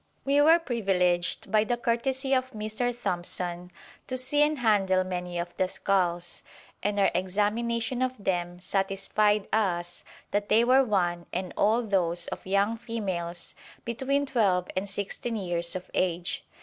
We were privileged by the courtesy of Mr. Thompson to see and handle many of the skulls, and our examination of them satisfied us that they were one and all those of young females between twelve and sixteen years of age.